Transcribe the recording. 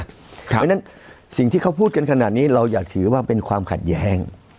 เพราะฉะนั้นสิ่งที่เขาพูดกันขนาดนี้เราอยากถือว่าเป็นความขัดแย้ง